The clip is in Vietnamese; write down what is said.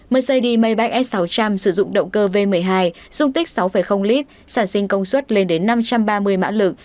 mercedes maybach s sáu trăm linh sử dụng động cơ v một mươi hai dung tích sáu lit sản sinh công suất lên đến năm trăm ba mươi mã lực